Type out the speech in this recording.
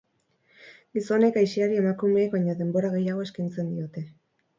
Gizonek aisiari emakumeek baino denbora gehiago eskaintzen diote.